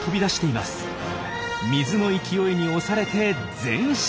水の勢いに押されて前進。